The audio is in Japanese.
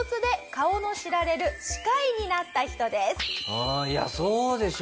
うんいやあそうでしょ。